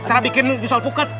cara bikin jusul puket